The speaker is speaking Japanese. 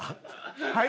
はい？